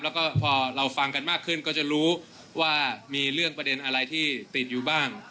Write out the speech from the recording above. แล้วก็พอเราฟังกันมากขึ้นก็จะรู้ว่ามีเรื่องประเด็นอะไรที่ติดอยู่บ้าง